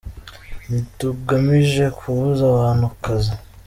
Ntitugamije kubuza abantu akazi.